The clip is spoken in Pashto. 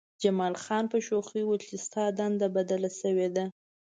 جمال خان په شوخۍ وویل چې ستا دنده بدله شوې ده